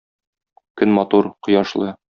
Көн матур, кояшлы.